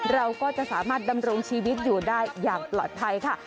เราก็จะสามารถดำรงชีวิตอยู่ได้อย่างปลอดภัยค่ะ